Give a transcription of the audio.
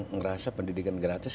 ngerasa pendidikan gratis